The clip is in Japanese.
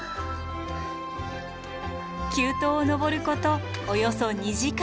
急登を登ることおよそ２時間。